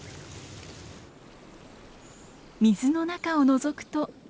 水の中をのぞくと。